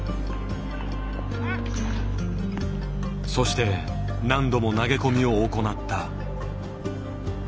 そして何度も投げ込みを行った。